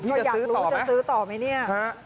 พี่จะซื้อต่อไหมอยากรู้จะซื้อต่อไหมเนี่ย